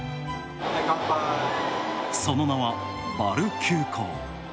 その名は、バル急行。